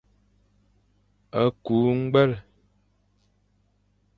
Kü ñgwel.